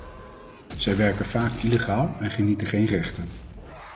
Ze werken vaak illegaal en genieten geen rechten ...